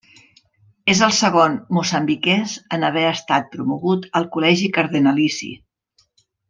És el segon moçambiquès en haver estat promogut al Col·legi Cardenalici.